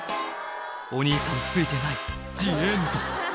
お兄さんツイてないジエンド